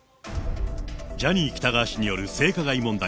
ジャニー喜多川氏による性加害問題。